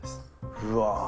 うわ。